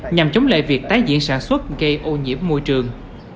nhằm chống lại việc tái diễn sản xuất gây ô nhiễm môi trường